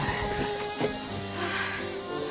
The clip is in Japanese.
はあ。